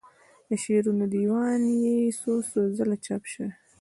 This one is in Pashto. د شعرونو دیوان یې څو څو ځله چاپ شوی.